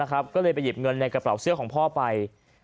ก็เลยไปหยิบเงินในกระเป๋าเสื้อของพ่อไป